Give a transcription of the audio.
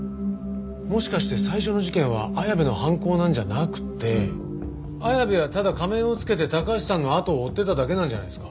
もしかして最初の事件は綾部の犯行なんじゃなくて綾部はただ仮面を着けて高橋さんのあとを追ってただけなんじゃないですか？